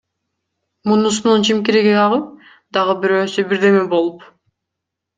Мунусунун чимкириги агып, дагы бирөөсү бирдеме болуп!